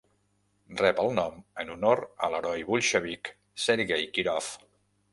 Rep el nom en honor a l'heroi bolxevic Sergej Kirov.